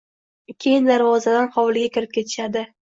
Keyin darvozadan xovliga kirib ketishadi...